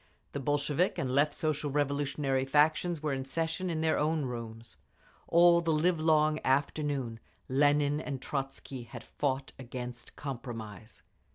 The Bolshevik and Left Social Revolutionary factions were in session in their own rooms. All the livelong afternoon Lenin and Trotzky had fought against compromise.